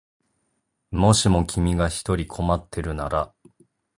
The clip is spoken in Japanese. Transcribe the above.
もしも君が一人困ってるなら